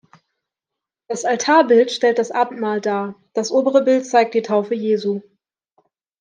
Das Altarbild stellt das Abendmahl dar, das obere Bild zeigt die Taufe Jesu.